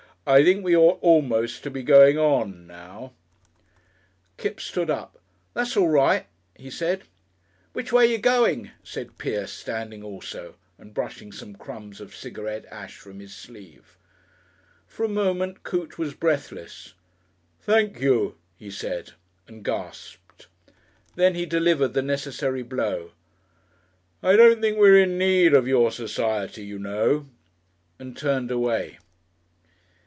"I think we ought almost to be going on now." Kipps stood up. "That's all right," he said. "Which way are you going?" said Pierce, standing also, and brushing some crumbs of cigarette ash from his sleeve. For a moment Coote was breathless. "Thank you," he said, and gasped. Then he delivered the necessary blow; "I don't think we're in need of your society, you know," and turned away.